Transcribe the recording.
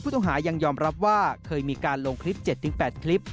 ต้องหายังยอมรับว่าเคยมีการลงคลิป๗๘คลิป